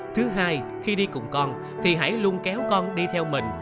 thứ hai khi đi cùng con thì hãy luôn kéo con đi theo mình